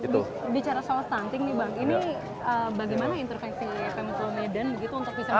bicara soal stunting nih bang ini bagaimana intervensi pemko medan begitu untuk bisa